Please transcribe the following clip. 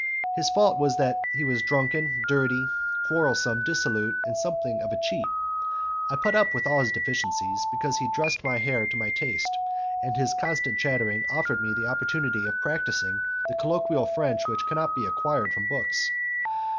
His faults were that he was drunken, dirty, quarrelsome, dissolute, and somewhat of a cheat. I put up with all his deficiences, because he dressed my hair to my taste, and his constant chattering offered me the opportunity of practising the colloquial French which cannot be acquired from books.